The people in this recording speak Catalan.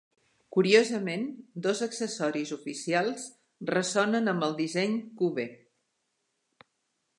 Curiosament, dos accessoris oficials ressonen amb el disseny "Cube".